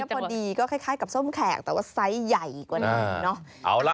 พอดีก็คล้ายกับส้มแขกแต่ว่าไซส์ใหญ่กว่านี้เนอะ